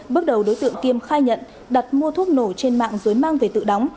bước đầu đối tượng kiêm khai nhận đặt mua thuốc nổ trên mạng dưới mang về tự đóng